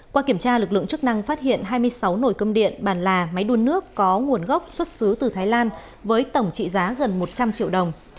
qua kiểm tra lực lượng chức năng phát hiện hai mươi sáu nồi cơm điện bàn là máy đun nước có nguồn gốc xuất xứ từ thái lan với tổng trị giá gần một trăm linh triệu đồng